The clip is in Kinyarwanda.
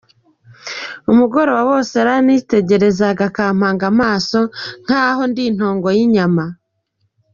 Umugoroba wose yaranyitegerezaga, akampanga amaso nk’aho ndi intongo y’inyama.